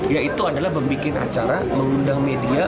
yaitu adalah membuat acara mengundang media